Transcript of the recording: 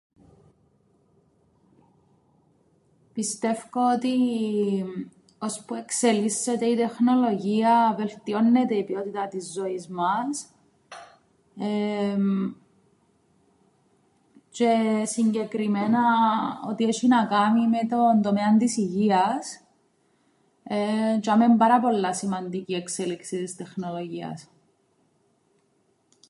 Πιστε΄υκω ότι ώσπου εξελίσσεται η τεχνολογία βελτιώννεται η ποιότητα της ζωής μας, τζ̆αι συγκεκριμένα ό,τι έσ̆ει να κάμει με τον τομέαν της υγείας, τζ̆ειαμαί εν' πάρα πολλά σημαντική η εξέλιξη της τεχνολογίας.